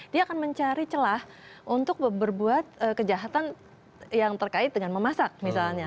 dia akan mencari celah untuk berbuat kejahatan yang terkait dengan memasak misalnya